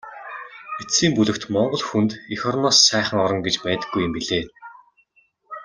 Эцсийн бүлэгт Монгол хүнд эх орноос сайхан орон гэж байдаггүй юм билээ.